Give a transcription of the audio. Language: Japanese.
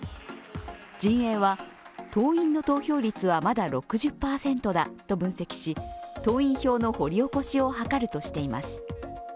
陣営は党員の投票率はまだ６０％だと分析し、党員票の掘り起こしを図るとしています。